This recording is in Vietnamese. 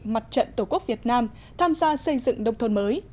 mặt trận tổ quốc việt nam tham gia xây dựng đồng thuận mới